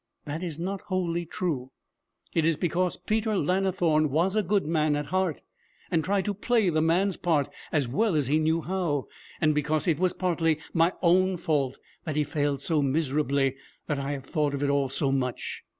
That is not wholly true. It is because Peter Lannithorne was a good man at heart, and tried to play the man's part as well as he knew how, and because it was partly my own fault that he failed so miserably, that I have thought of it all so much.